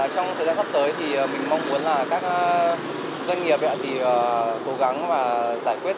trong thời gian sắp tới thì mình mong muốn là các doanh nghiệp thì cố gắng và giải quyết